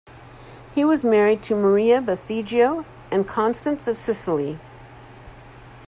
He was married to Maria Baseggio and Constance of Sicily.